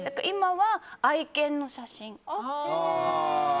今は愛犬の写真。